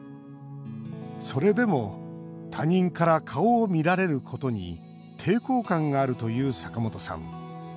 それでも、他人から顔を見られることに抵抗感があるというサカモトさん。